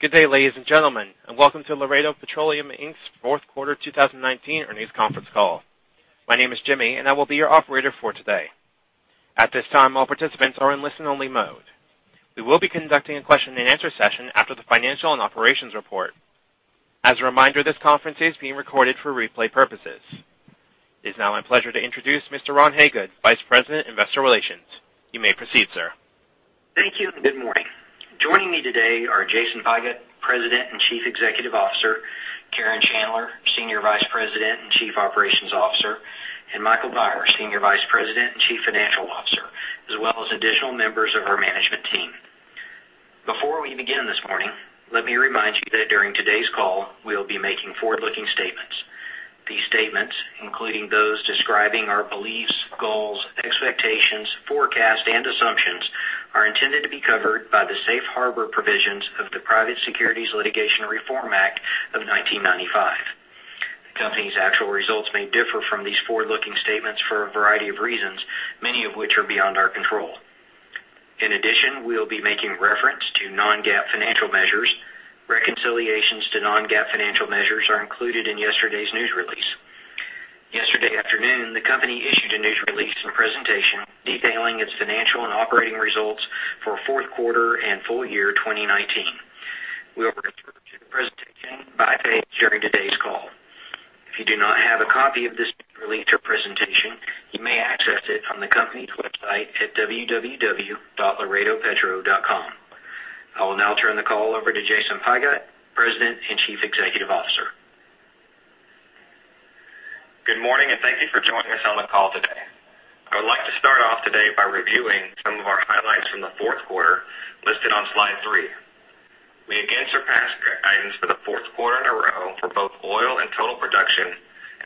Good day, ladies and gentlemen, and welcome to Laredo Petroleum, Inc.'s fourth quarter 2019 earnings conference call. My name is Jimmy and I will be your operator for today. At this time, all participants are in listen only mode. We will be conducting a question-and-answer session after the financial and operations report. As a reminder, this conference is being recorded for replay purposes. It is now my pleasure to introduce Mr. Ron Hagood, Vice President, Investor Relations. You may proceed, sir. Thank you, and good morning. Joining me today are Jason Pigott, President and Chief Executive Officer, Karen Chandler, Senior Vice President and Chief Operations Officer, and Michael Beyer, Senior Vice President and Chief Financial Officer, as well as additional members of our management team. Before we begin this morning, let me remind you that during today's call, we'll be making forward-looking statements. These statements, including those describing our beliefs, goals, expectations, forecast and assumptions, are intended to be covered by the safe harbor provisions of the Private Securities Litigation Reform Act of 1995. The company's actual results may differ from these forward-looking statements for a variety of reasons, many of which are beyond our control. In addition, we'll be making reference to non-GAAP financial measures. Reconciliations to non-GAAP financial measures are included in yesterday's news release. Yesterday afternoon, the company issued a news release and presentation detailing its financial and operating results for fourth quarter and full year 2019. We will refer to the presentation by page during today's call. If you do not have a copy of this release or presentation, you may access it on the company's website at www.laredopetro.com. I will now turn the call over to Jason Pigott, President and Chief Executive Officer. Good morning, thank you for joining us on the call today. I would like to start off today by reviewing some of our highlights from the fourth quarter listed on slide three. We again surpassed guidance for the fourth quarter in a row for both oil and total production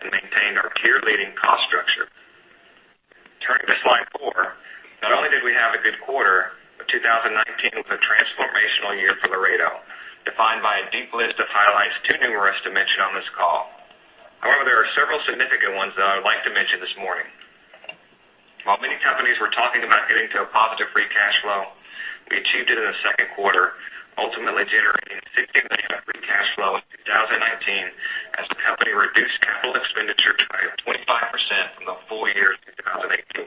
and maintained our tier-leading cost structure. Turning to slide four. Not only did we have a good quarter, but 2019 was a transformational year for Laredo, defined by a deep list of highlights too numerous to mention on this call. However, there are several significant ones that I would like to mention this morning. While many companies were talking about getting to a positive free cash flow, we achieved it in the second quarter, ultimately generating $16 million of free cash flow in 2019 as the company reduced capital expenditure by 25% from the full year 2018. Additionally,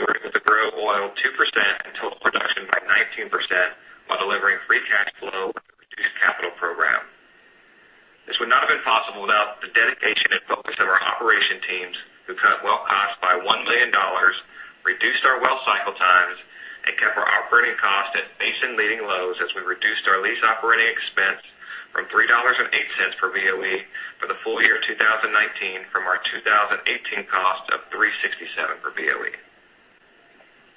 we were able to grow oil 2% and total production by 19% while delivering free cash flow with a reduced capital program. This would not have been possible without the dedication and focus of our operation teams, who cut well costs by $1 million, reduced our well cycle times, and kept our operating costs at basin leading lows as we reduced our lease operating expense from $3.08 per BOE for the full year 2019 from our 2018 cost of $3.67 per BOE.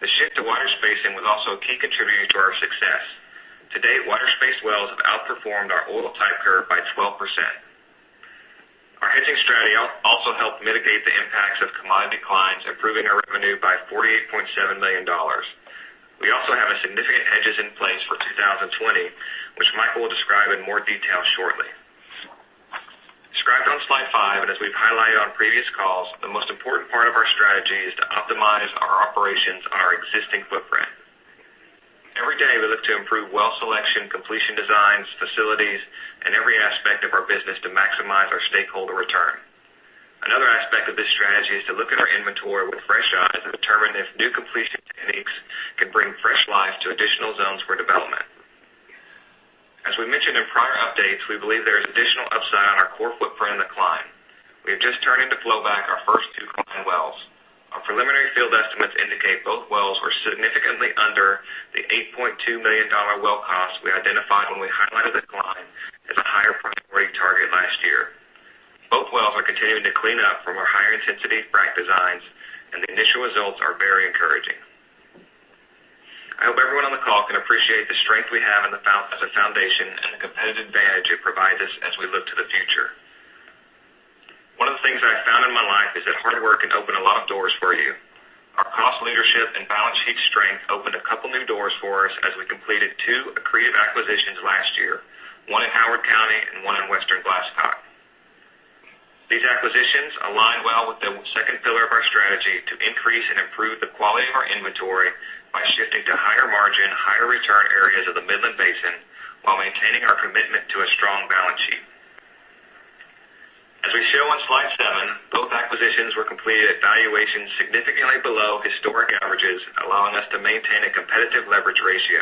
The shift to wider spacing was also a key contributor to our success. To date, wider space wells have outperformed our oil type curve by 12%. Our hedging strategy also helped mitigate the impacts of commodity declines, improving our revenue by $48.7 million. We also have significant hedges in place for 2020, which Michael will describe in more detail shortly. Described on slide five, as we've highlighted on previous calls, the most important part of our strategy is to optimize our operations on our existing footprint. Every day we look to improve well selection, completion designs, facilities, and every aspect of our business to maximize our stakeholder return. Another aspect of this strategy is to look at our inventory with fresh eyes and determine if new completion techniques can bring fresh life to additional zones for development. As we mentioned in prior updates, we believe there is additional upside on our core footprint in the Cline. We have just turned into flowback our first two Cline wells. Our preliminary field estimates indicate both wells were significantly under the $8.2 million well cost we identified when we highlighted the Cline as a higher priority target last year. Both wells are continuing to clean up from our higher intensity frac designs, and the initial results are very encouraging. I hope everyone on the call can appreciate the strength we have as a foundation and the competitive advantage it provides us as we look to the future. One of the things I've found in my life is that hard work can open a lot of doors for you. Our cost leadership and balance sheet strength opened a couple new doors for us as we completed two accretive acquisitions last year, one in Howard County and one in Western Glasscock. These acquisitions align well with the second pillar of our strategy to increase and improve the quality of our inventory by shifting to higher margin, higher return areas of the Midland Basin while maintaining our commitment to a strong balance sheet. As we show on slide seven, both acquisitions were completed at valuations significantly below historic averages, allowing us to maintain a competitive leverage ratio.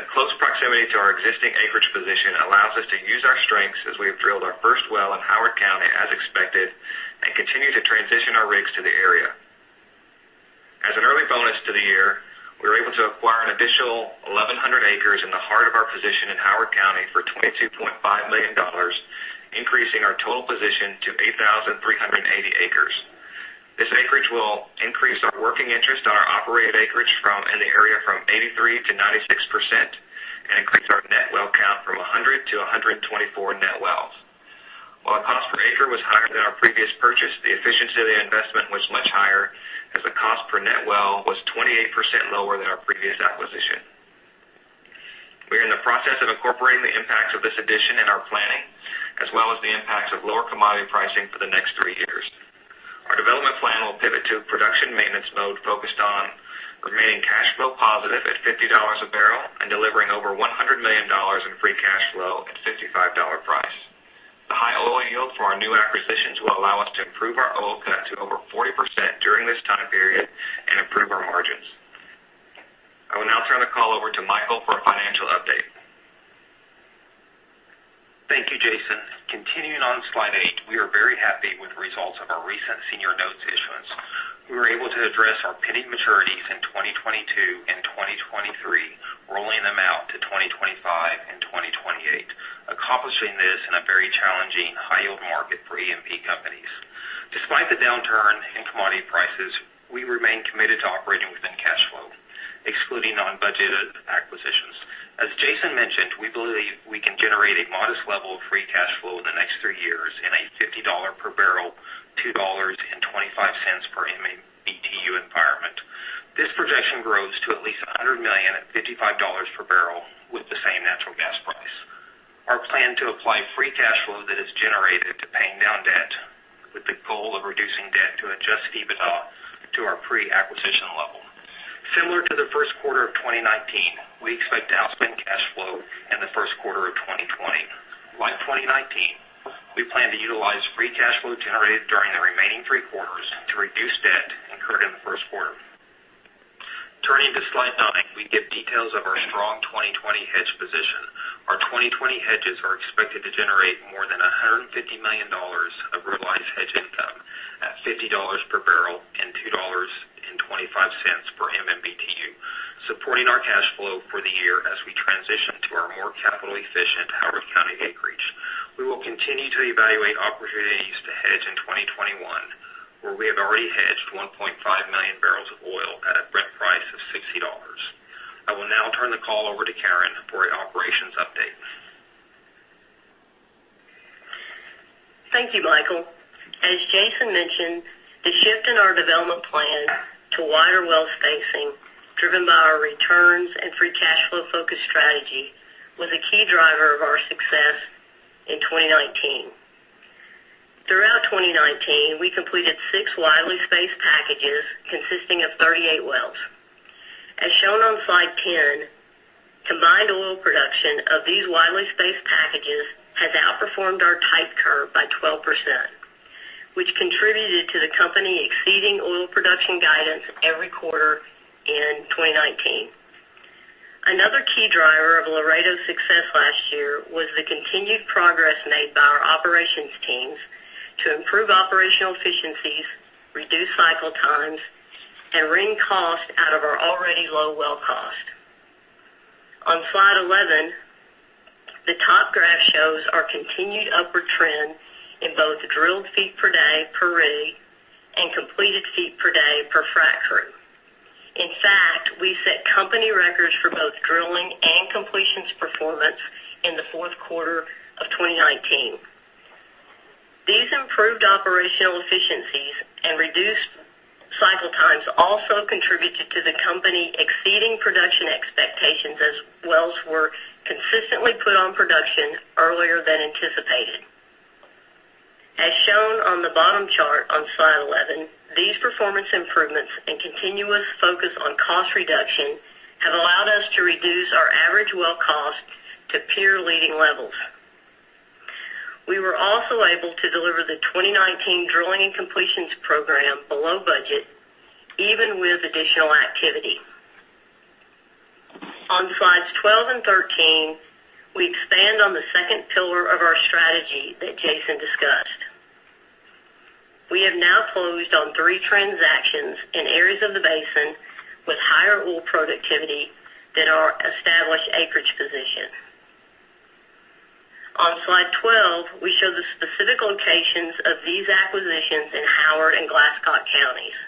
The close proximity to our existing acreage position allows us to use our strengths as we have drilled our first well in Howard County as expected and continue to transition our rigs to the area. As an early bonus to the year, we were able to acquire an additional 1,100 acres in the heart of our position in Howard County for $22.5 million, increasing our total position to 8,380 acres. This acreage will increase our working interest on our operated acreage in the area from 83% to 96% and increase our net well count from 100-124 net wells. While our cost per acre was higher than our previous purchase, the efficiency of the investment was much higher as the cost per net well was 28% lower than our previous acquisition. We are in the process of incorporating the impacts of this addition in our planning, as well as the impacts of lower commodity pricing for the next three years. We focused on remaining cash flow positive at $50 a barrel and delivering over $100 million in free cash flow at a $55 price. The high oil yield for our new acquisitions will allow us to improve our oil cut to over 40% during this time period and improve our margins. I will now turn the call over to Michael for a financial update. Thank you, Jason. Continuing on slide eight, we are very happy with the results of our recent senior notes issuance. We were able to address our pending maturities in 2022 and 2023, rolling them out to 2025 and 2028, accomplishing this in a very challenging high-yield market for E&P companies. Despite the downturn in commodity prices, we remain committed to operating within cash flow, excluding non-budgeted acquisitions. As Jason mentioned, we believe we can generate a modest level of free cash flow in the next three years in a $50 per barrel, $2.25 per MMBtu environment. This projection grows to at least $100 million at $55 per barrel with the same natural gas price. Our plan is to apply free cash flow that is generated to paying down debt, with the goal of reducing debt to adjust EBITDA to our pre-acquisition level. Similar to the first quarter of 2019, we expect to outspend cash flow in the first quarter of 2020. Like 2019, we plan to utilize free cash flow generated during the remaining three quarters to reduce debt incurred in the first quarter. Turning to slide nine, we give details of our strong 2020 hedge position. Our 2020 hedges are expected to generate more than $150 million of realized hedge income at $50 per barrel and $2.25 per MMBtu, supporting our cash flow for the year as we transition to our more capital-efficient Howard County acreage. We will continue to evaluate opportunities to hedge in 2021, where we have already hedged 1.5 million barrels of oil at a Brent price of $60. I will now turn the call over to Karen Chandler for an operations update. Thank you, Michael. As Jason mentioned, the shift in our development plan to wider well spacing, driven by our returns and free cash flow-focused strategy, was a key driver of our success in 2019. Throughout 2019, we completed six widely spaced packages consisting of 38 wells. As shown on slide 10, combined oil production of these widely spaced packages has outperformed our type curve by 12%, which contributed to the company exceeding oil production guidance every quarter in 2019. Another key driver of Laredo's success last year was the continued progress made by our operations teams to improve operational efficiencies, reduce cycle times, and wring cost out of our already low well cost. On slide 11, the top graph shows our continued upward trend in both drilled feet per day per rig and completed feet per day per frac crew. In fact, we set company records for both drilling and completions performance in the fourth quarter of 2019. These improved operational efficiencies and reduced cycle times also contributed to the company exceeding production expectations as wells were consistently put on production earlier than anticipated. As shown on the bottom chart on slide 11, these performance improvements and continuous focus on cost reduction have allowed us to reduce our average well cost to peer-leading levels. We were also able to deliver the 2019 drilling and completions program below budget, even with additional activity. On slides 12 and 13, we expand on the second pillar of our strategy that Jason discussed. We have now closed on three transactions in areas of the basin with higher oil productivity than our established acreage position. On slide 12, we show the specific locations of these acquisitions in Howard and Glasscock Counties.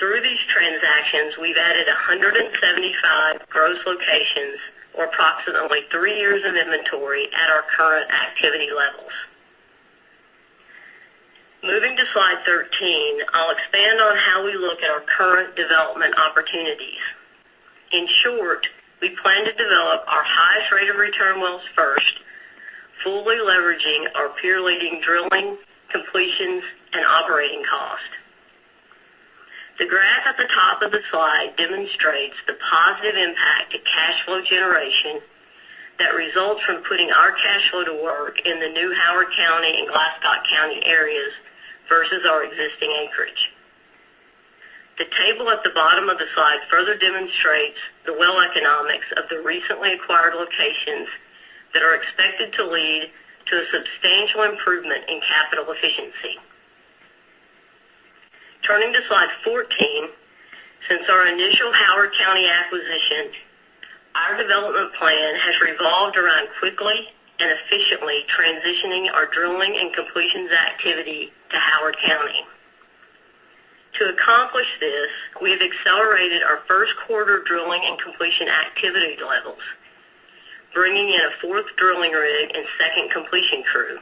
Through these transactions, we've added 175 gross locations or approximately three years of inventory at our current activity levels. Moving to slide 13, I'll expand on how we look at our current development opportunities. In short, we plan to develop our highest rate of return wells first, fully leveraging our peer-leading drilling, completions, and operating cost. The graph at the top of the slide demonstrates the positive impact to cash flow generation that results from putting our cash flow to work in the new Howard County and Glasscock County areas versus our existing acreage. The table at the bottom of the slide further demonstrates the well economics of the recently acquired locations that are expected to lead to a substantial improvement in capital efficiency. Turning to slide 14, since our initial Howard County acquisition, our development plan has revolved around quickly and efficiently transitioning our drilling and completions activity to Howard County. To accomplish this, we have accelerated our first quarter drilling and completion activity levels, bringing in a fourth drilling rig and second completion crew.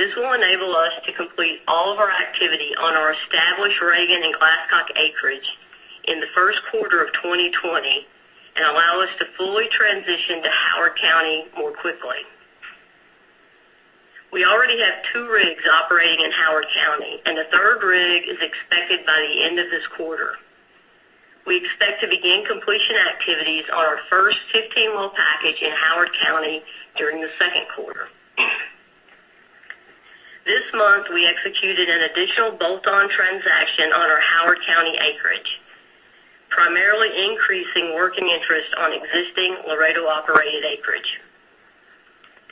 This will enable us to complete all of our activity on our established Reagan and Glasscock acreage in the first quarter of 2020 and allow us to fully transition to Howard County more quickly. We already have two rigs operating in Howard County, and the third rig is expected by the end of this quarter. We expect to begin completion activities on our first 15-well package in Howard County during the second quarter. This month, we executed an additional bolt-on transaction on our Howard County acreage, primarily increasing working interest on existing Laredo-operated acreage.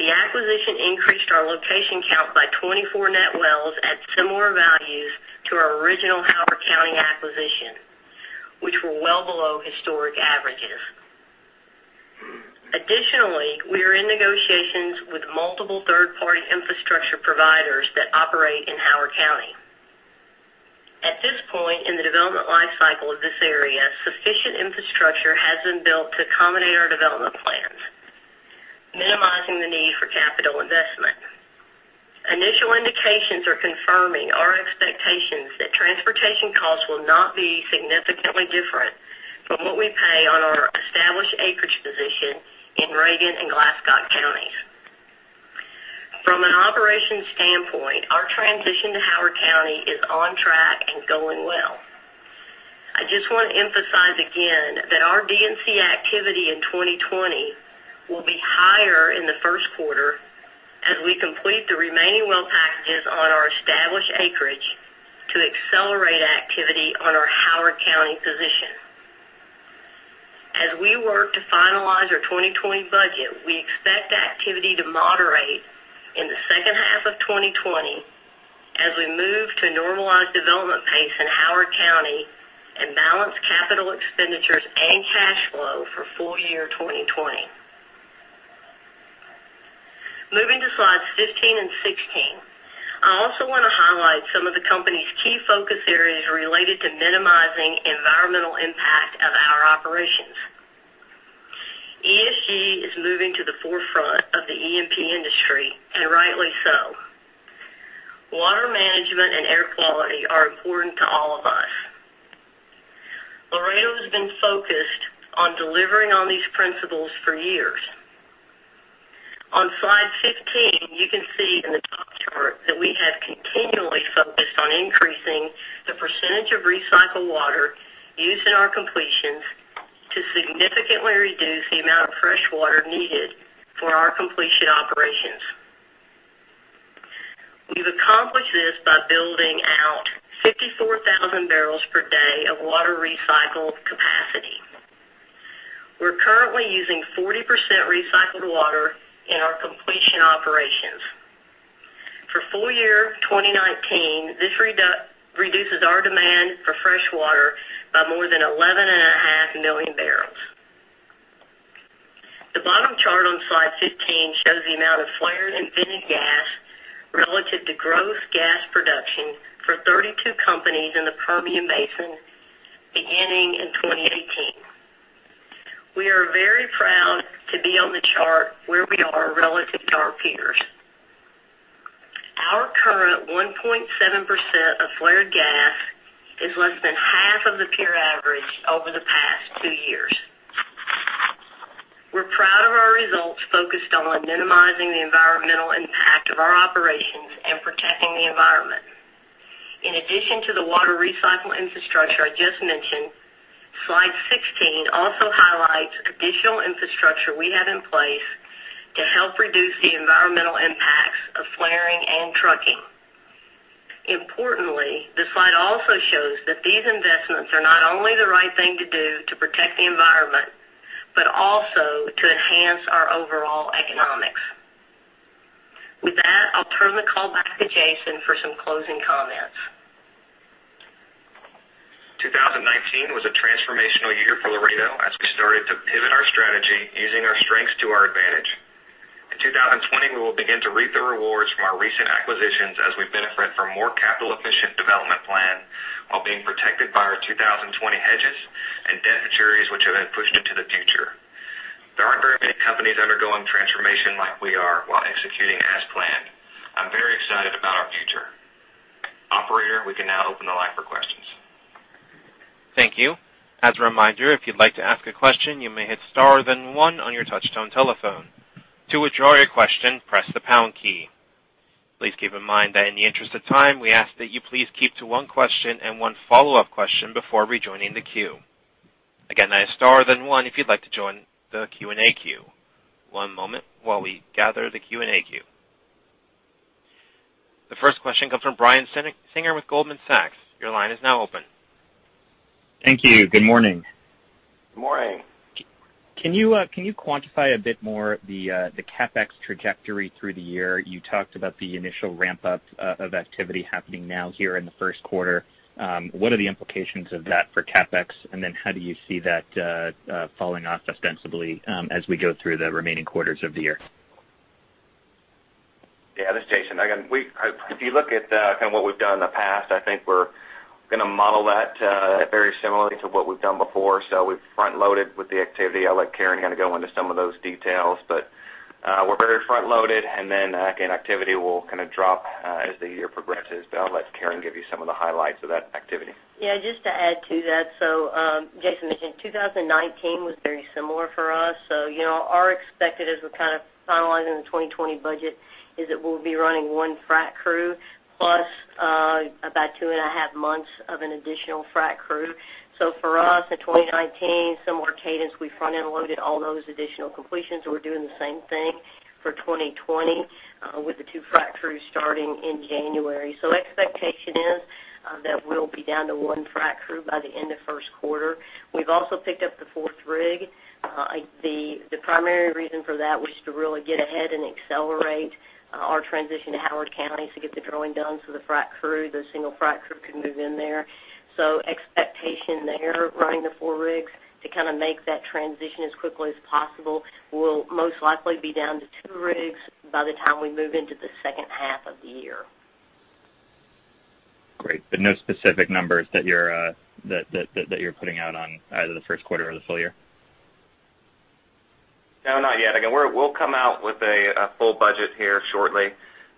The acquisition increased our location count by 24 net wells at similar values to our original Howard County acquisition, which were well below historic averages. Additionally, we are in negotiations with multiple third-party infrastructure providers that operate in Howard County. At this point in the development life cycle of this area, sufficient infrastructure has been built to accommodate our development plans, minimizing the need for capital investment. Initial indications are confirming our expectations that transportation costs will not be significantly different from what we pay on our established acreage position in Reagan and Glasscock counties. From an operations standpoint, our transition to Howard County is on track and going well. I just want to emphasize again that our D&C activity in 2020 will be higher in the first quarter as we complete the remaining well packages on our established acreage to accelerate activity on our Howard County position. As we work to finalize our 2020 budget, we expect activity to moderate in the second half of 2020 as we move to a normalized development pace in Howard County and balance capital expenditures and cash flow for full-year 2020. Moving to slides 15 and 16, I also want to highlight some of the company's key focus areas related to minimizing environmental impact of our operations. ESG is moving to the forefront of the E&P industry, and rightly so. Water management and air quality are important to all of us. Laredo has been focused on delivering on these principles for years. On slide 15, you can see in the top chart that we have continually focused on increasing the percentage of recycled water used in our completions to significantly reduce the amount of fresh water needed for our completion operations. We've accomplished this by building out 54,000 barrels per day of water recycle capacity. We're currently using 40% recycled water in our completion operations. For full-year 2019, this reduces our demand for fresh water by more than 11.5 million barrels. The bottom chart on slide 15 shows the amount of flared and vented gas relative to gross gas production for 32 companies in the Permian Basin beginning in 2018. We are very proud to be on the chart where we are relative to our peers. Our current 1.7% of flared gas is less than half of the peer average over the past two years. We're proud of our results focused on minimizing the environmental impact of our operations and protecting the environment. In addition to the water recycle infrastructure I just mentioned, slide 16 also highlights additional infrastructure we have in place to help reduce the environmental impacts of flaring and trucking. Importantly, the slide also shows that these investments are not only the right thing to do to protect the environment, but also to enhance our overall economics. With that, I'll turn the call back to Jason for some closing comments. 2019 was a transformational year for Laredo as we started to pivot our strategy using our strengths to our advantage. In 2020, we will begin to reap the rewards from our recent acquisitions as we benefit from a more capital-efficient development plan while being protected by our 2020 hedges and debt maturities, which have been pushed into the future. There aren't very many companies undergoing transformation like we are while executing as planned. I'm very excited about our future. Operator, we can now open the line for questions. Thank you. As a reminder, if you'd like to ask a question, you may hit star then one on your touch-tone telephone. To withdraw your question, press the pound key. Please keep in mind that in the interest of time, we ask that you please keep to one question and one follow-up question before rejoining the queue. Again, star then one if you'd like to join the Q&A queue. One moment while we gather the Q&A queue. The first question comes from Brian Singer with Goldman Sachs. Your line is now open. Thank you. Good morning. Good morning. Can you quantify a bit more the CapEx trajectory through the year? You talked about the initial ramp-up of activity happening now here in the first quarter. What are the implications of that for CapEx, and then how do you see that falling off ostensibly as we go through the remaining quarters of the year? Yeah, this is Jason. If you look at what we've done in the past, I think we're going to model that very similarly to what we've done before. We've front-loaded with the activity. I'll let Karen go into some of those details. We're very front-loaded, and then again, activity will kind of drop as the year progresses. I'll let Karen give you some of the highlights of that activity. Yeah, just to add to that, Jason mentioned 2019 was very similar for us. Our expectation as we're kind of finalizing the 2020 budget is that we'll be running one frac crew plus about two and a half months of an additional frac crew. For us, in 2019, similar cadence. We front-end loaded all those additional completions. We're doing the same thing for 2020 with the two frac crews starting in January. Expectation is that we'll be down to one frac crew by the end of first quarter. We've also picked up the fourth rig. The primary reason for that was to really get ahead and accelerate our transition to Howard County to get the drilling done, so the frac crew, the single frac crew can move in there. Expectation there, running the four rigs to make that transition as quickly as possible. We'll most likely be down to two rigs by the time we move into the second half of the year. Great. No specific numbers that you're putting out on either the first quarter or the full year? No, not yet. Again, we'll come out with a full budget here shortly.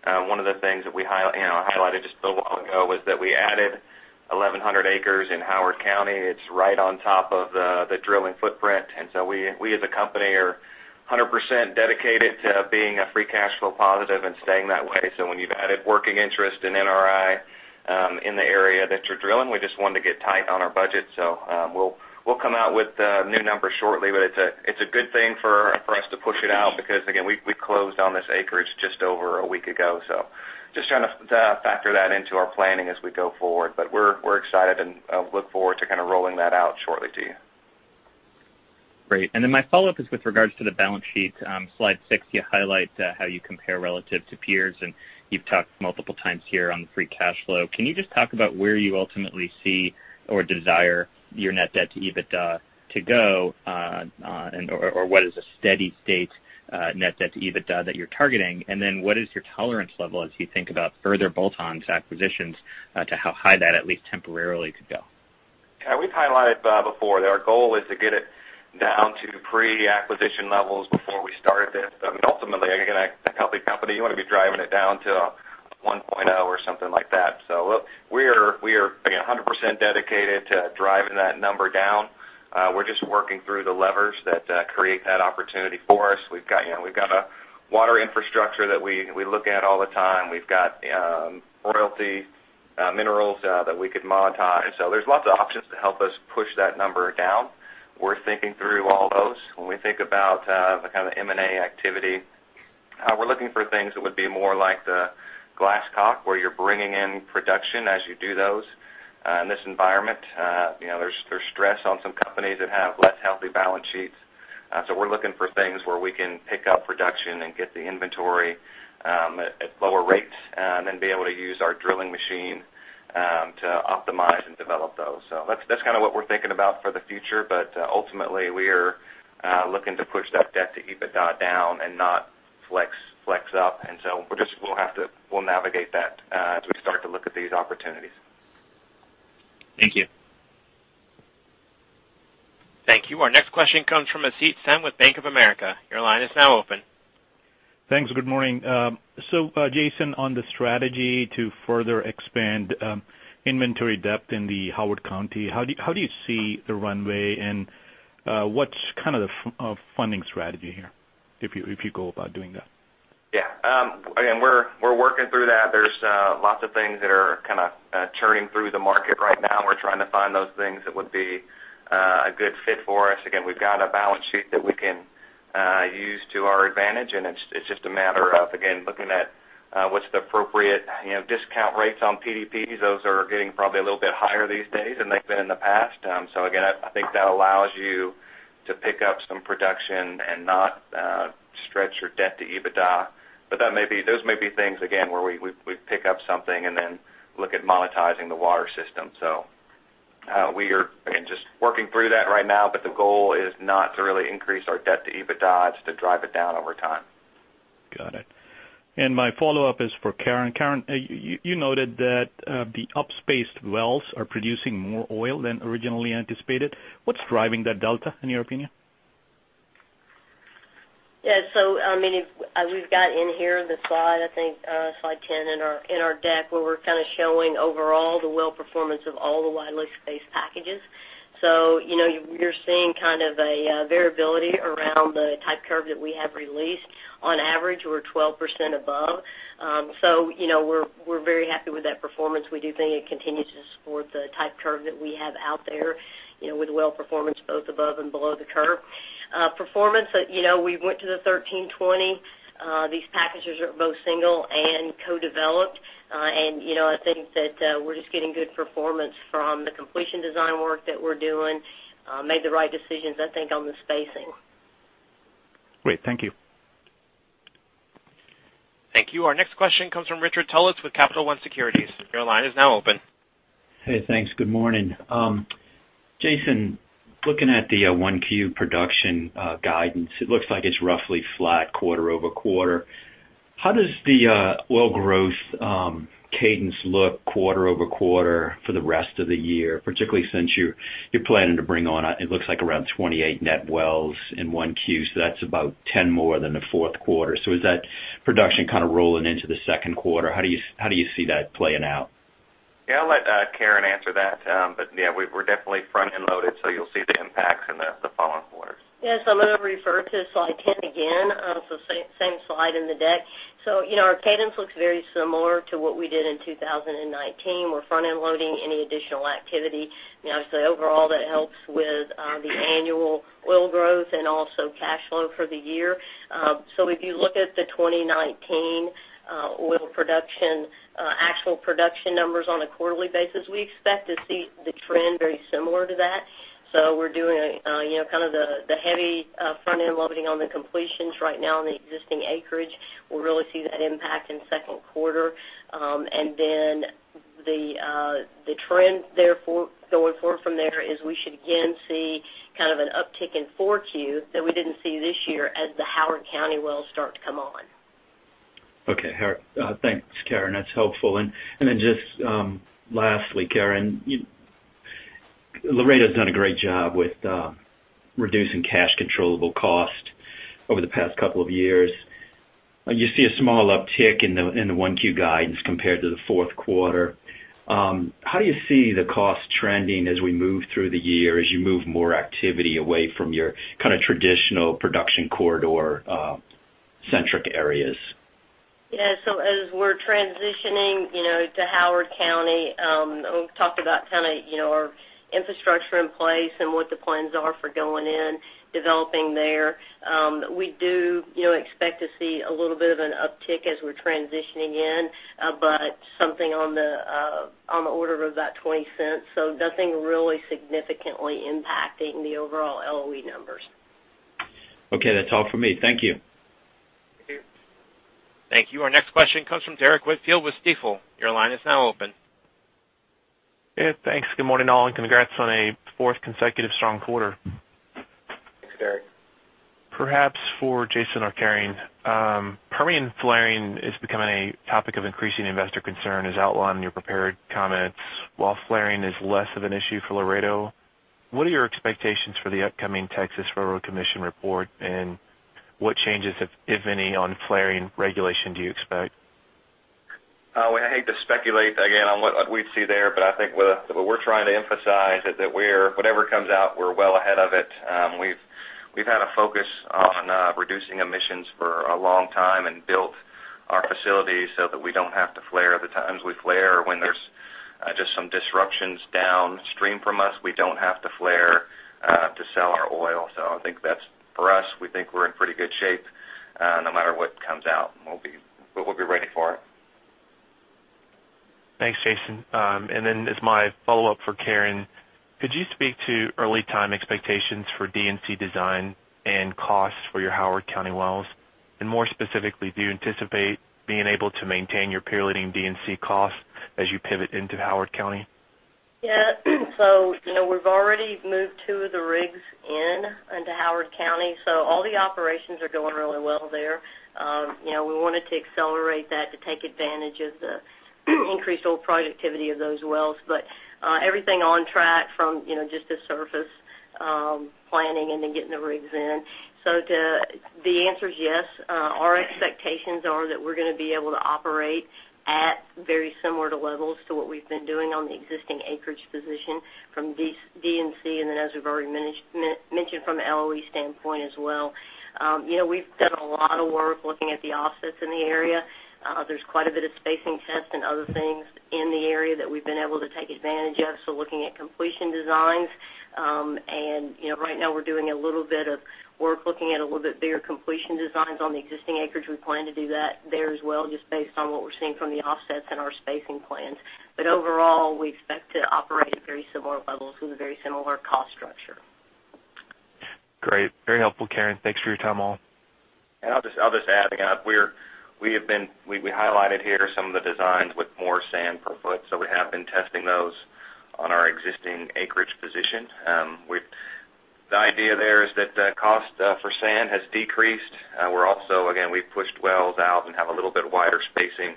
One of the things that we highlighted just a little while ago was that we added 1,100 acres in Howard County. It's right on top of the drilling footprint. We, as a company, are 100% dedicated to being a free cash flow positive and staying that way. When you've added working interest in NRI in the area that you're drilling, we just wanted to get tight on our budget. We'll come out with new numbers shortly, but it's a good thing for us to push it out because, again, we closed on this acreage just over a week ago. Just trying to factor that into our planning as we go forward. We're excited and look forward to kind of rolling that out shortly to you. Great. My follow-up is with regards to the balance sheet. Slide six, you highlight how you compare relative to peers, and you've talked multiple times here on free cash flow. Can you just talk about where you ultimately see or desire your net debt to EBITDA to go? What is a steady state net debt to EBITDA that you're targeting? What is your tolerance level as you think about further bolt-ons, acquisitions, to how high that at least temporarily could go? Yeah. We've highlighted before that our goal is to get it down to pre-acquisition levels before we started this. Ultimately, again, a healthy company, you want to be driving it down to a 1.0 or something like that. We are, again, 100% dedicated to driving that number down. We're just working through the levers that create that opportunity for us. We've got a water infrastructure that we look at all the time. We've got royalty minerals that we could monetize. There's lots of options to help us push that number down. We're thinking through all those. When we think about the kind of M&A activity, we're looking for things that would be more like the Glasscock, where you're bringing in production as you do those. In this environment, there's stress on some companies that have less healthy balance sheets. We're looking for things where we can pick up production and get the inventory at lower rates, and then be able to use our drilling machine to optimize and develop those. That's what we're thinking about for the future. Ultimately, we are looking to push that debt to EBITDA down and not flex up. We'll navigate that as we start to look at these opportunities. Thank you. Thank you. Our next question comes from Asit Sen with Bank of America. Your line is now open. Thanks. Good morning. Jason, on the strategy to further expand inventory depth in the Howard County, how do you see the runway, and what's the funding strategy here if you go about doing that? Yeah. We're working through that. There's lots of things that are churning through the market right now, and we're trying to find those things that would be a good fit for us. We've got a balance sheet that we can use to our advantage, and it's just a matter of, again, looking at what's the appropriate discount rates on PDPs. Those are getting probably a little bit higher these days than they've been in the past. I think that allows you to pick up some production and not stretch your debt to EBITDA. Those may be things, again, where we pick up something and then look at monetizing the water system. We are, again, just working through that right now, but the goal is not to really increase our debt to EBITDA. It's to drive it down over time. Got it. My follow-up is for Karen. Karen, you noted that the up-spaced wells are producing more oil than originally anticipated. What's driving that delta, in your opinion? Yeah. We've got in here the slide, I think slide 10 in our deck, where we're showing overall the well performance of all the widely spaced packages. You're seeing a variability around the type curve that we have released. On average, we're 12% above. We're very happy with that performance. We do think it continues to support the type curve that we have out there with well performance both above and below the curve. Performance, we went to the 1320. These packages are both single and co-developed. I think that we're just getting good performance from the completion design work that we're doing. Made the right decisions, I think, on the spacing. Great. Thank you. Thank you. Our next question comes from Richard Tullis with Capital One Securities. Your line is now open. Hey, thanks. Good morning. Jason, looking at the 1Q production guidance, it looks like it's roughly flat quarter-over-quarter. How does the oil growth cadence look quarter-over-quarter for the rest of the year, particularly since you're planning to bring on, it looks like, around 28 net wells in 1Q? That's about 10 more than the fourth quarter. Is that production rolling into the second quarter? How do you see that playing out? Yeah, I'll let Karen answer that. Yeah, we're definitely front-end loaded, so you'll see the impacts in the following quarters. Yes, I'm going to refer to slide 10 again. Same slide in the deck. Our cadence looks very similar to what we did in 2019. We're front-end loading any additional activity. Obviously, overall, that helps with the annual oil growth and also cash flow for the year. If you look at the 2019 oil production, actual production numbers on a quarterly basis, we expect to see the trend very similar to that. We're doing the heavy front-end loading on the completions right now on the existing acreage. We'll really see that impact in second quarter. The trend going forward from there is we should again see an uptick in 4Q that we didn't see this year as the Howard County wells start to come on. Okay. Thanks, Karen. That's helpful. Then just lastly, Karen, Laredo's done a great job with reducing cash controllable cost over the past couple of years. You see a small uptick in the 1Q guidance compared to the fourth quarter. How do you see the cost trending as we move through the year, as you move more activity away from your traditional production corridor-centric areas? Yeah. As we're transitioning to Howard County, we've talked about our infrastructure in place and what the plans are for going in, developing there. We do expect to see a little bit of an uptick as we're transitioning in, but something on the order of about $0.20. Nothing really significantly impacting the overall LOE numbers. Okay. That's all for me. Thank you. Thank you. Thank you. Our next question comes from Derrick Whitfield with Stifel. Your line is now open. Yeah, thanks. Good morning, all, and congrats on a fourth consecutive strong quarter. Thanks, Derrick. Perhaps for Jason or Karen. Permian flaring is becoming a topic of increasing investor concern, as outlined in your prepared comments. While flaring is less of an issue for Laredo, what are your expectations for the upcoming Railroad Commission of Texas report, and what changes, if any, on flaring regulation do you expect? I hate to speculate again on what we'd see there, but I think what we're trying to emphasize is that whatever comes out, we're well ahead of it. We've had a focus on reducing emissions for a long time and built our facilities so that we don't have to flare. The times we flare are when there's just some disruptions downstream from us. We don't have to flare to sell our oil. I think that's, for us, we think we're in pretty good shape no matter what comes out, but we'll be ready for it. Thanks, Jason. As my follow-up for Karen, could you speak to early time expectations for D&C design and costs for your Howard County wells? More specifically, do you anticipate being able to maintain your peer-leading D&C costs as you pivot into Howard County? Yeah. We've already moved two of the rigs in into Howard County, so all the operations are going really well there. We wanted to accelerate that to take advantage of the increased oil productivity of those wells. Everything on track from just the surface planning and then getting the rigs in. The answer is yes. Our expectations are that we're going to be able to operate at very similar to levels to what we've been doing on the existing acreage position from D&C, and then as we've already mentioned, from an LOE standpoint as well. We've done a lot of work looking at the offsets in the area. There's quite a bit of spacing tests and other things in the area that we've been able to take advantage of. Looking at completion designs. Right now, we're doing a little bit of work looking at a little bit bigger completion designs on the existing acreage. We plan to do that there as well, just based on what we're seeing from the offsets and our spacing plans. Overall, we expect to operate at very similar levels with a very similar cost structure. Great. Very helpful, Karen. Thanks for your time all. I'll just add, we highlighted here some of the designs with more sand per foot, so we have been testing those on our existing acreage position. The idea there is that the cost for sand has decreased. We're also, again, we've pushed wells out and have a little bit wider spacing.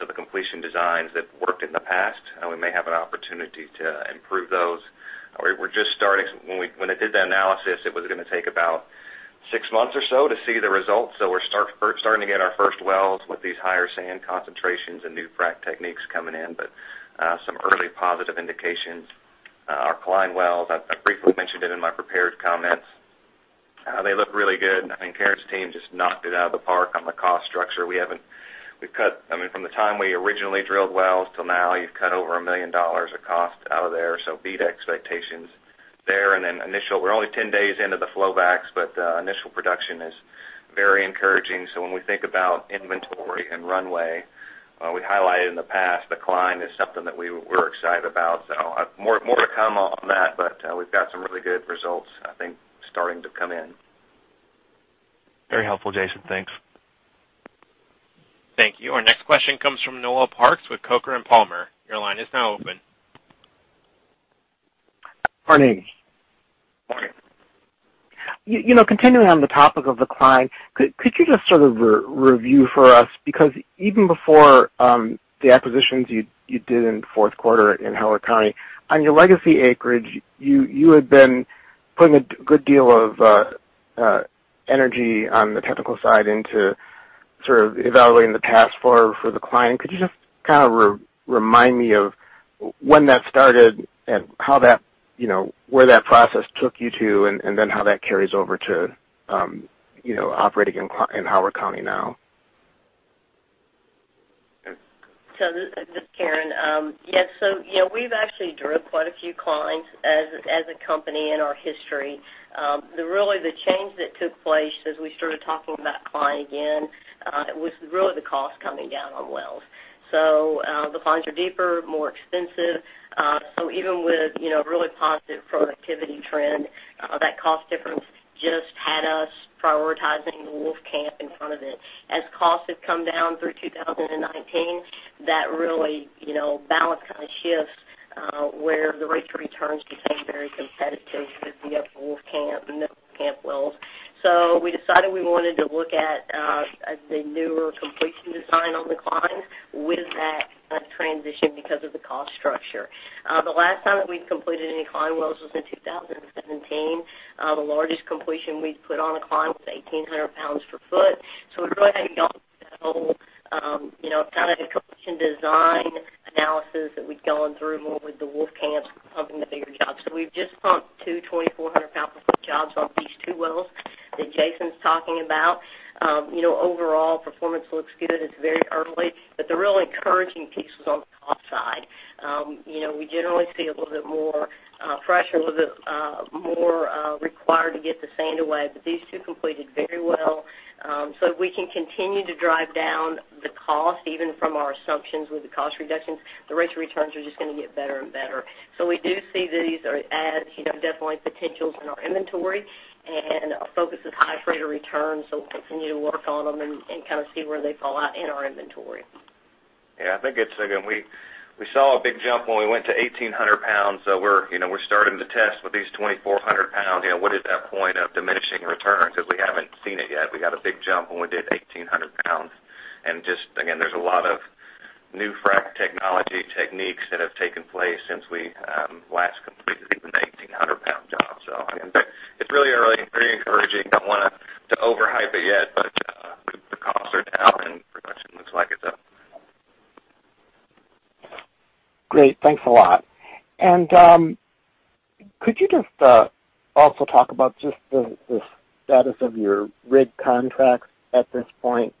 The completion designs that worked in the past, and we may have an opportunity to improve those. We're just starting. When I did the analysis, it was going to take about six months or so to see the results. We're starting to get our first wells with these higher sand concentrations and new frack techniques coming in. Some early positive indications. Our Cline wells, I briefly mentioned it in my prepared comments. They look really good, and Karen's team just knocked it out of the park on the cost structure. From the time we originally drilled wells till now, you've cut over $1 million of cost out of there. Beat expectations there. We're only 10-days into the flow backs, but initial production is very encouraging. When we think about inventory and runway, we highlighted in the past, the Cline is something that we're excited about. More to come on that, but we've got some really good results, I think, starting to come in. Very helpful, Jason. Thanks. Thank you. Our next question comes from Noel Parks with Coker and Palmer. Your line is now open. Morning. Morning. Continuing on the topic of the Cline, could you just sort of review for us, because even before the acquisitions you did in the fourth quarter in Howard County, on your legacy acreage, you had been putting a good deal of energy on the technical side into evaluating the past for the Cline. Could you just remind me of when that started, and where that process took you to, and then how that carries over to operating in Howard County now? This is Karen. Yeah. We've actually drilled quite a few Cline as a company in our history. Really, the change that took place as we started talking about Cline again, was really the cost coming down on wells. The Cline are deeper, more expensive. Even with a really positive productivity trend, that cost difference just had us prioritizing the Wolfcamp in front of it. As costs have come down through 2019, that really, balance shifts, where the rate of returns became very competitive with the Wolfcamp and the Camp wells. We decided we wanted to look at the newer completion design on the Cline with that transition because of the cost structure. The last time that we completed any Cline wells was in 2017. The largest completion we'd put on a Cline was 1,800 pound per foot. We went ahead and jumped to that whole, kind of completion design analysis that we'd gone through more with the Wolfcamp pumping the bigger jobs. We've just pumped two 2,400 pound per foot jobs on these two wells that Jason's talking about. Overall, performance looks good. It's very early, but the real encouraging piece was on the cost side. We generally see a little bit more pressure, a little bit more required to get the sand away, but these two completed very well. If we can continue to drive down the cost, even from our assumptions with the cost reductions, the rates of returns are just going to get better and better. We do see these as definitely potentials in our inventory, and our focus is high rate of return, so we'll continue to work on them and kind of see where they fall out in our inventory. Yeah, I think it's, again, we saw a big jump when we went to 1,800 pounds. We're starting to test with these 2,400 pound, what is that point of diminishing return, because we haven't seen it yet. We got a big jump when we did 1,800 pound. Just, again, there's a lot of new frack technology techniques that have taken place since we last completed an 1,800 pound job. Again, it's really early, pretty encouraging. Don't want to over-hype it yet, but the costs are down, and production looks like it, though. Great. Thanks a lot. Could you just also talk about just the status of your rig contracts at this point?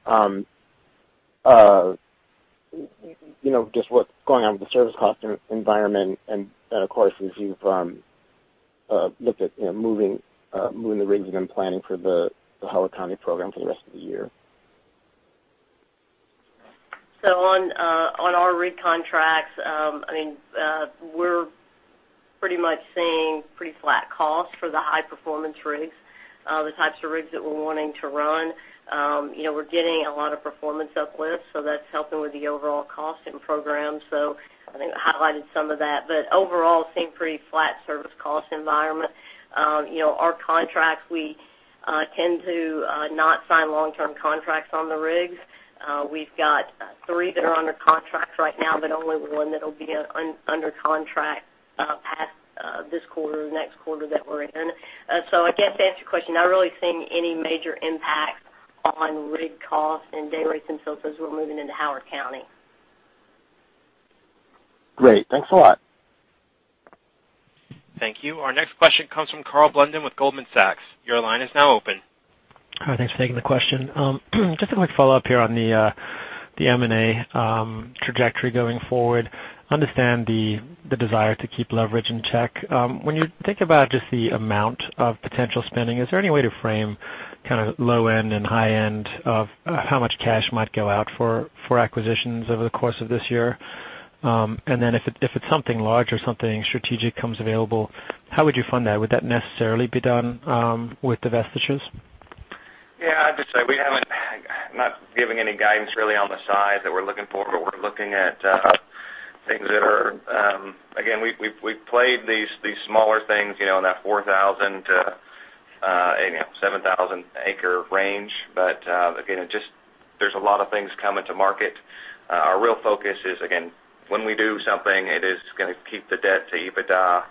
Just what's going on with the service cost environment and then, of course, as you've looked at moving the rigs you've been planning for the Howard County program for the rest of the year. On our rig contracts, we're pretty much seeing pretty flat costs for the high performance rigs, the types of rigs that we're wanting to run. We're getting a lot of performance uplifts, that's helping with the overall cost in programs. I think we highlighted some of that, overall, seeing pretty flat service cost environment. Our contracts, we tend to not sign long-term contracts on the rigs. We've got three that are under contract right now, only one that'll be under contract past this quarter or next quarter that we're in. I guess to answer your question, not really seeing any major impact on rig costs and day rates themselves as we're moving into Howard County. Great. Thanks a lot. Thank you. Our next question comes from Karl Blunden with Goldman Sachs. Your line is now open. Hi, thanks for taking the question. Just a quick follow-up here on the M&A trajectory going forward. Understand the desire to keep leverage in check. When you think about just the amount of potential spending, is there any way to frame low end and high end of how much cash might go out for acquisitions over the course of this year? Then if it's something large or something strategic comes available, how would you fund that? Would that necessarily be done with divestitures? Yeah, I'd just say I'm not giving any guidance really on the side that we're looking for. We're looking at things that are. Again, we've played these smaller things, in that 4,000-7,000 acre range. Again, there's a lot of things coming to market. Our real focus is, again, when we do something, it is going to keep the debt to EBITDA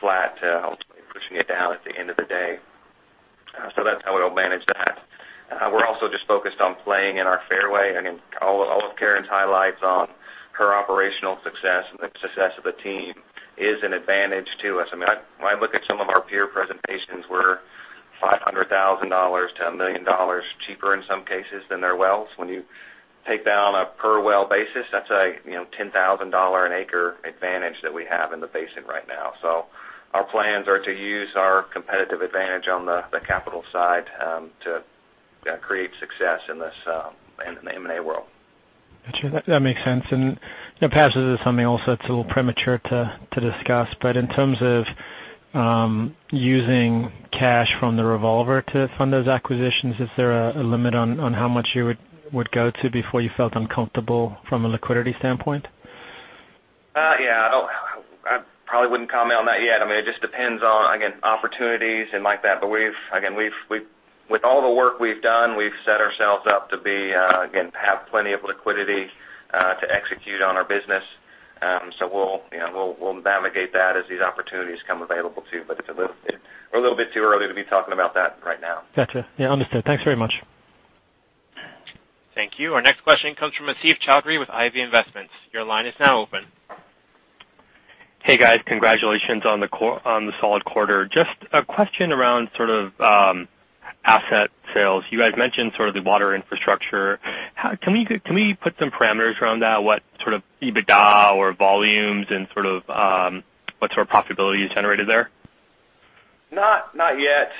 flat, ultimately pushing it down at the end of the day. That's how we'll manage that. We're also just focused on playing in our fairway. Again, all of Karen's highlights on her operational success and the success of the team is an advantage to us. When I look at some of our peer presentations, we're $500,000-$1 million cheaper in some cases than their wells. When you take that on a per well basis, that's a $10,000 an acre advantage that we have in the basin right now. Our plans are to use our competitive advantage on the capital side to create success in the M&A world. Got you. That makes sense. Perhaps this is something also that's a little premature to discuss, but in terms of using cash from the revolver to fund those acquisitions, is there a limit on how much you would go to before you felt uncomfortable from a liquidity standpoint? Yeah. I probably wouldn't comment on that yet. It just depends on, again, opportunities and like that. With all the work we've done, we've set ourselves up to have plenty of liquidity to execute on our business. We'll navigate that as these opportunities come available too. It's a little bit too early to be talking about that right now. Got you. Yeah, understood. Thanks very much. Thank you. Our next question comes from Asif Chaudhry with Ivy Investments. Your line is now open. Hey, guys. Congratulations on the solid quarter. Just a question around asset sales. You guys mentioned the water infrastructure. Can we put some parameters around that? What sort of EBITDA or volumes and what sort of profitability is generated there? Not yet.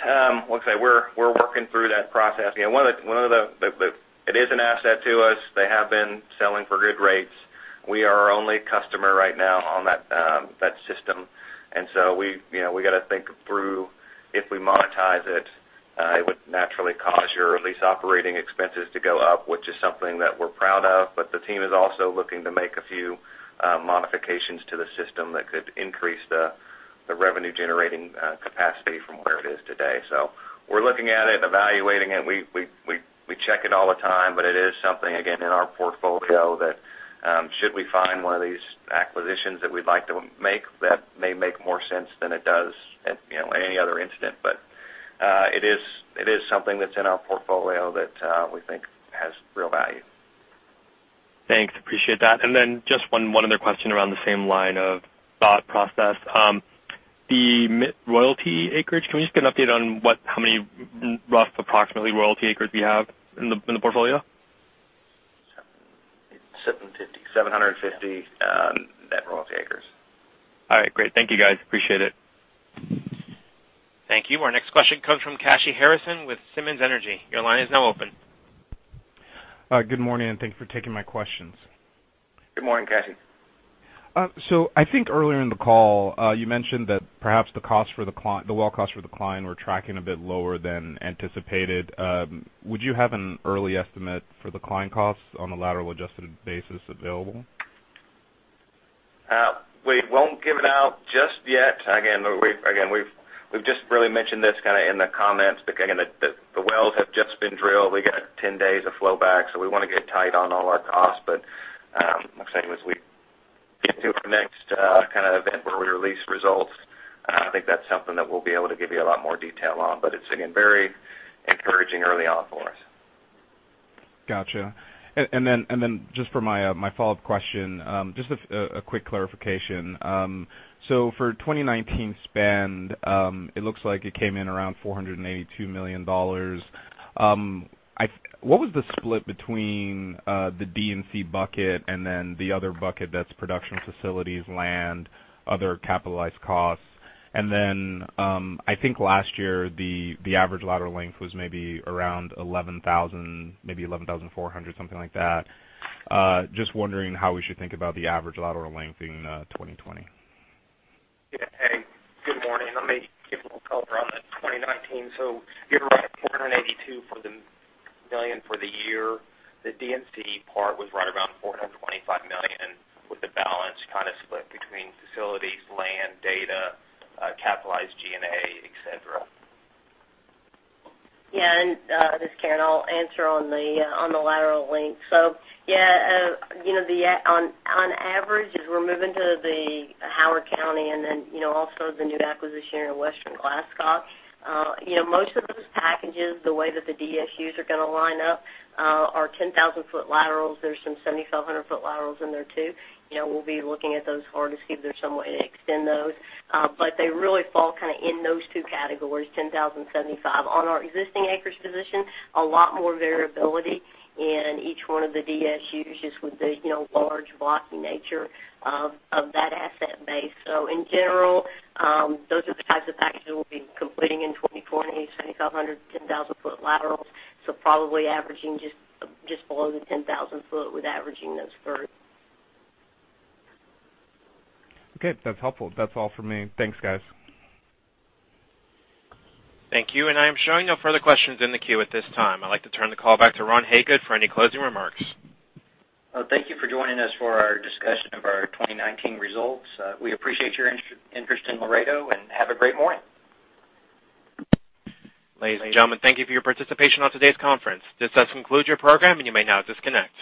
Like I say, we're working through that process. It is an asset to us. They have been selling for good rates. We are our only customer right now on that system. We've got to think through, if we monetize it would naturally cause your lease operating expenses to go up, which is something that we're proud of, but the team is also looking to make a few modifications to the system that could increase the revenue-generating capacity from where it is today. We're looking at it, evaluating it. We check it all the time, but it is something, again, in our portfolio that should we find one of these acquisitions that we'd like to make, that may make more sense than it does at any other incident. It is something that's in our portfolio that we think has real value. Thanks. Appreciate that. Just one other question around the same line of thought process. The royalty acreage, can we just get an update on how many rough, approximately royalty acres you have in the portfolio? 750 net royalty acres. All right, great. Thank you, guys. Appreciate it. Thank you. Our next question comes from Kashy Harrison with Simmons Energy. Your line is now open. Good morning, and thank you for taking my questions. Good morning, Kashy. I think earlier in the call, you mentioned that perhaps the well cost for Cline were tracking a bit lower than anticipated. Would you have an early estimate for Cline costs on a lateral-adjusted basis available? We won't give it out just yet. Again, we've just really mentioned this in the comments. The wells have just been drilled. We got 10-days of flow back, we want to get tight on all our costs. Like I say, as we get to our next event where we release results, I think that's something that we'll be able to give you a lot more detail on. It's, again, very encouraging early on for us. Got you. Just for my follow-up question, just a quick clarification. For 2019 spend, it looks like it came in around $482 million. What was the split between the D&C bucket and then the other bucket that's production facilities, land, other capitalized costs? I think last year, the average lateral length was maybe around 11,000, maybe 11,400, something like that. Just wondering how we should think about the average lateral length in 2020. Yeah. Hey, good morning. Let me give a little color on the 2019. You're right, $482 million for the year. The D&C part was right around $425 million, with the balance split between facilities, land, data, capitalized G&A, et cetera. Yeah, this is Karen. I'll answer on the lateral link. Yeah, on average, as we're moving to the Glasscock and then also the new acquisition here in Western Glasscock, most of those packages, the way that the DSUs are going to line up are 10,000-foot laterals. There's some 7,500-foot laterals in there, too. We'll be looking at those harder to see if there's some way to extend those. They really fall in those two categories, 10,000, 7,500. On our existing acreage position, a lot more variability in each one of the DSUs, just with the large blocky nature of that asset base. In general, those are the types of packages we'll be completing in 2020, 7,500, 10,000-foot laterals. Probably averaging just below the 10,000 foot with averaging those three. Okay, that's helpful. That's all for me. Thanks, guys. Thank you. I am showing no further questions in the queue at this time. I'd like to turn the call back to Ron Hagood for any closing remarks. Thank you for joining us for our discussion of our 2019 results. We appreciate your interest in Laredo, and have a great morning. Ladies and gentlemen, thank you for your participation on today's conference. This does conclude your program, and you may now disconnect.